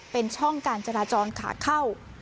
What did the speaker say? เป็นช่องการจราจรขาเข้า